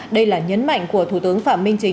đây là nhấn mạnh của thủ tướng phạm minh chính